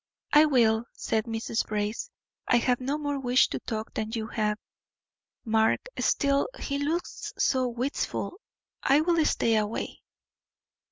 "I will," said Mrs. Brace. "I have no more wish to talk than you have, Mark. Still he looks so wistful, I will stay away."